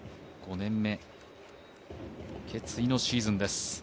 ５年目、決意のシーズンです。